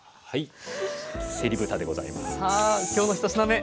はい。